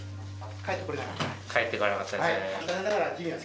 帰ってこれなかったですね。